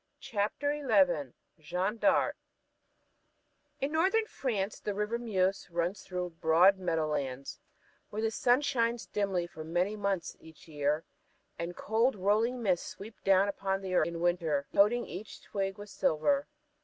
CHAPTER XI JEANNE D'ARC In northern France the river Meuse runs through broad meadowlands, where the sun shines dimly for many months each year, and cold, rolling mists sweep down upon the earth in winter, coating each twig with silver.